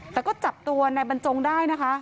แต่ก็จับตัวในบรรจงได้นะคะ